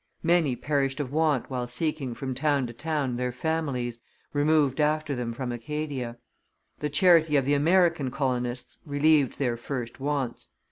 Many perished of want while seeking from town to town their families, removed after them from Acadia; the charity of the American colonists relieved their first wants.